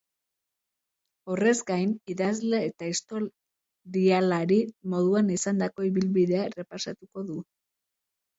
Horrez gain, idazle eta historialari moduan izandako ibilbidea errepasatuko du.